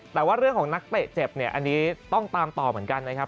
แต่ว่าเรื่องของนักเตะเจ็บอันนี้ต้องตามต่อเหมือนกัน